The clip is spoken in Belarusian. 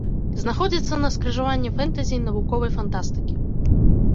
Знаходзіцца на скрыжаванні фэнтэзі і навуковай фантастыкі.